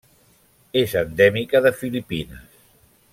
És endèmica de Filipines.